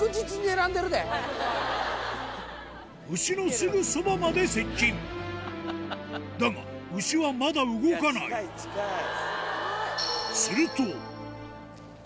牛のすぐそばまで接近だが牛はまだ動かない近い近い！